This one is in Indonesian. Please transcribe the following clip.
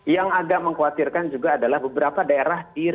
yang agak mengkhawatirkan juga adalah beberapa daerah di remote area